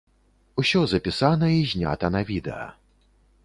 Усё запісана і знята на відэа.